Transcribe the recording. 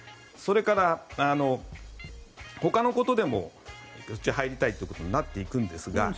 それから、ほかのことでも入りたいということになっていくんですが。